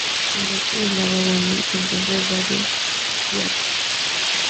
Al este del lago Bonney se encuentra el valle Pearse.